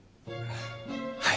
はい。